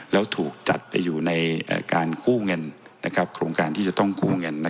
แล้วถูกจัดไปอยู่ในการกู้เงินโครงการที่จะต้องกู้เงิน